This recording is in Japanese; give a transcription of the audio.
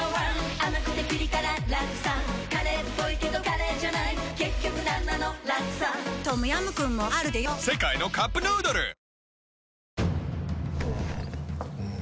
甘くてピリ辛ラクサカレーっぽいけどカレーじゃない結局なんなのラクサトムヤムクンもあるでヨ世界のカップヌードル世界初！